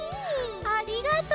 ありがとう！